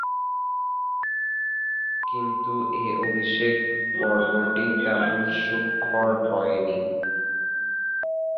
কিন্তু এ অভিষেক পর্বটি তেমন সুখকর হয়নি।